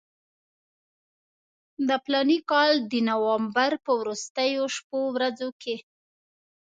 د فلاني کال د نومبر په وروستیو شپو ورځو کې.